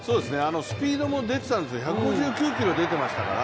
スピードも出ていたんですが１５９キロ出てましたから。